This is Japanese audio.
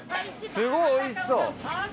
すごいおいしそう！